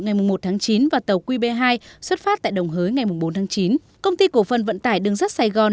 ngày một tháng chín và tàu qb hai xuất phát tại đồng hới ngày bốn tháng chín công ty cổ phần vận tải đường sắt sài gòn